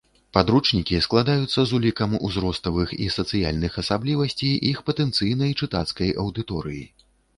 Падручнікі складаюцца з улікам узроставых і сацыяльных асаблівасцей іх патэнцыйнай чытацкай аўдыторыі.